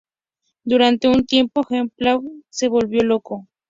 Durante un tiempo, Jean-Paul se volvió loco.